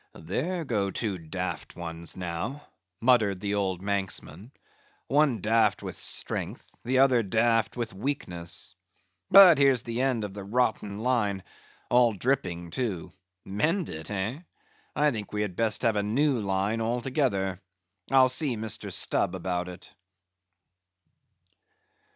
"There go two daft ones now," muttered the old Manxman. "One daft with strength, the other daft with weakness. But here's the end of the rotten line—all dripping, too. Mend it, eh? I think we had best have a new line altogether. I'll see Mr. Stubb about it."